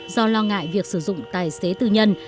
do lo ngại việc sử dụng tài xế tư nhân